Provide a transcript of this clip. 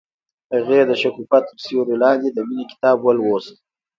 هغې د شګوفه تر سیوري لاندې د مینې کتاب ولوست.